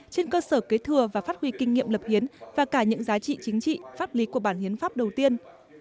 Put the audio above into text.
trên cơ sở kế thừa và phát huy kinh nghiệm lập hiến và cả những giá trị chính trị pháp lý của bản hiến pháp đầu tiên